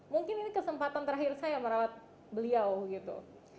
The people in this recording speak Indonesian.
mungkin ini kesempatan terakhir saya merawat beliau gitu